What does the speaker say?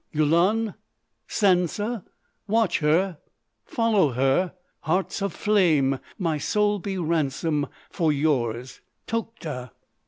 Yulun! Sansa! Watch her, follow her, hearts of flame! My soul be ransom for yours! Tokhta!"